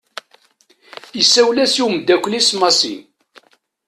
Isawel-as i umddakel-is Massi.